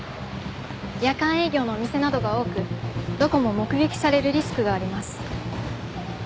夜間営業のお店などが多くどこも目撃されるリスクがあります。